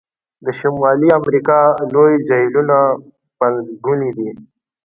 د شمالي امریکا لوی جهیلونه پنځګوني دي.